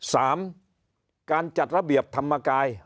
สามการจัดระเบียบธรรมกาย